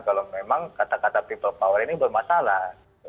kalau memang kata kata people power ini bermasalah